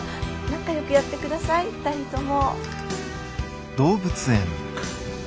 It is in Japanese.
仲よくやってください２人とも。